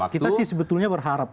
kita sih sebetulnya berharap